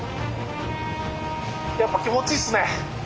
やっぱ気持ちいいっすね。